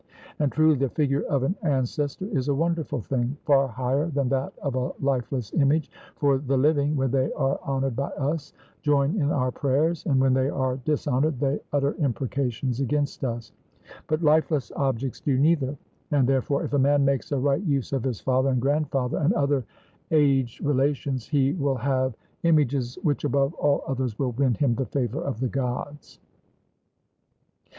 And, truly, the figure of an ancestor is a wonderful thing, far higher than that of a lifeless image. For the living, when they are honoured by us, join in our prayers, and when they are dishonoured, they utter imprecations against us; but lifeless objects do neither. And therefore, if a man makes a right use of his father and grandfather and other aged relations, he will have images which above all others will win him the favour of the Gods.